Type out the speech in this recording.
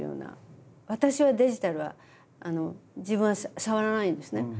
私はデジタルは自分は触らないんですね。